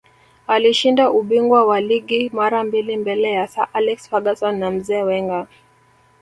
alishinda ubingwa wa ligi mara mbili mbele ya sir alex ferguson na mzee wenger